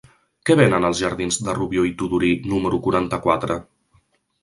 Què venen als jardins de Rubió i Tudurí número quaranta-quatre?